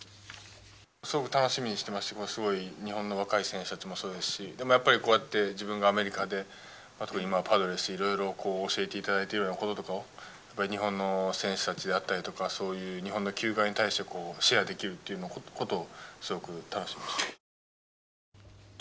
すごく楽しみにしていますし日本の若い選手たちもそうですしでも、こうやって自分がアメリカで今、パドレスで色々と教えていただいているようなこととかを日本の選手たちであったりとか日本の球界に対してシェアできるということをすごく楽しみにしています。